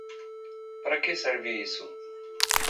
Para que serve isso?